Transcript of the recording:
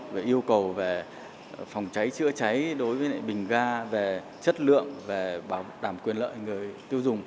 về yêu cầu về phòng cháy chữa cháy đối với bình ga về chất lượng bảo đảm quyền lợi người tiêu dùng